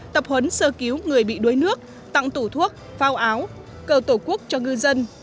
tập huấn sơ cứu người bị đuối nước tặng tủ thuốc phao áo cầu tổ quốc cho ngư dân